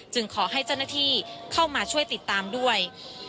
จึงขอให้จนื้อที่เข้ามาช่วยติดตามด้วย